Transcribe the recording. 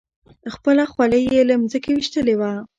خپله خولۍ یې له ځمکې ویشتلې وه.